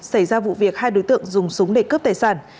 xảy ra vụ việc hai đối tượng dùng súng để cướp tài sản